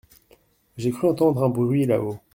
J’ai cru entendre un bruit là-haut !